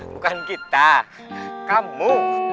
bukan kita kamu